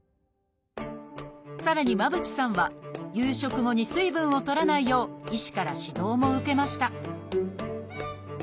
さらに間渕さんは夕食後に水分をとらないよう医師から指導も受けました